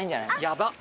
やばっ！